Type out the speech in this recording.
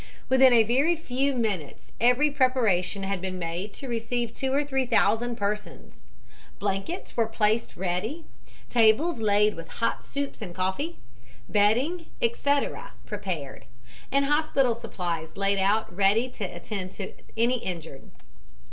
Within a very few minutes every preparation had been made to receive two or three thousand persons. Blankets were placed ready, tables laid with hot soups and coffee, bedding, etc., prepared, and hospital supplies laid out ready to attend to any injured.